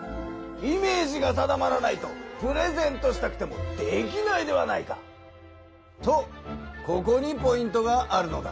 イメージが定まらないとプレゼントしたくてもできないではないか。とここにポイントがあるのだ。